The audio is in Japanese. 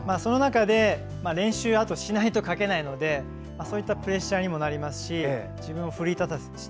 あと、練習をしないと書けないのでそういったプレッシャーにもなりますし自分を奮い立たせて。